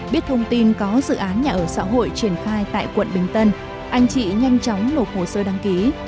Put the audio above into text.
biết thông tin có dự án nhà ở xã hội triển khai tại quận bình tân anh chị nhanh chóng lột hồ sơ đăng ký